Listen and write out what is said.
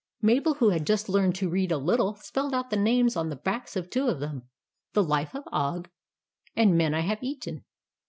Mabel, who had just learned to read a little, spelled out the names on the backs of two of them : The Life of Og, and Men I have Eaten.